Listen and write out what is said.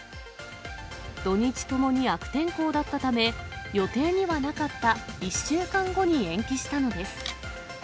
土日ともに悪天候だったため、予定にはなかった１週間後に延期したのです。